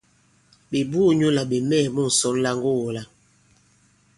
Ɓè buū nyǔ là ɓè mɛɛ̀ mu ŋsɔn la ŋgogō-la.